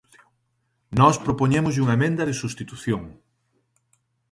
Nós propoñémoslle unha emenda de substitución.